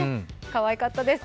かわいかったです。